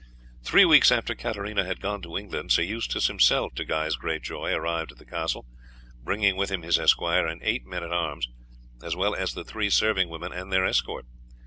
Three weeks after Katarina had gone to England, Sir Eustace himself, to Guy's great joy, arrived at the castle, bringing with him his esquire and eight men at arms, as well as the three serving women and their escort.